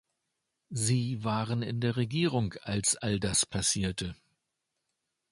Sie waren in der Regierung, als all das passierte.